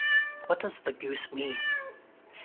What does the goose mean?